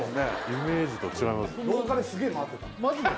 イメージと違いますマジで？